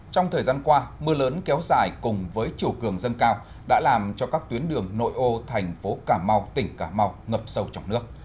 trong thời gian qua mưa lớn kéo dài cùng với chiều cường dâng cao đã làm cho các tuyến đường nội ô thành phố cà mau tỉnh cà mau ngập sâu trong nước